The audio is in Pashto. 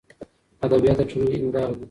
ادبیات د ټولني هنداره ده.